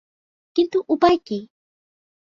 কিন্তু উপায় কি?